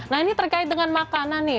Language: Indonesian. nah ini terkait dengan makanan nih